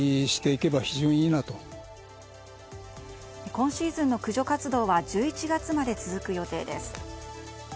今シーズンの駆除活動は１１月まで続く予定です。